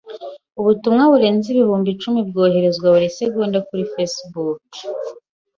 Ubutumwa burenga ibihumbi icumi bwoherezwa buri segonda kuri Facebook.